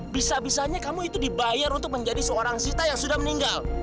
bisa bisanya kamu itu dibayar untuk menjadi seorang sita yang sudah meninggal